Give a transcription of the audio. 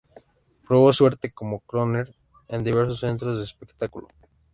Probó suerte como crooner en diversos centros de espectáculo.